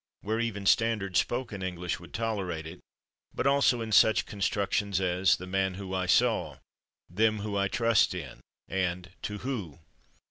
where even standard spoken English would tolerate it, but also in such constructions as "the man /who/ I saw," "them /who/ I trust in" and "to /who